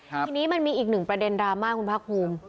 ทีนี้มันมีอีกหนึ่งประเด็นราม่าของพระคุม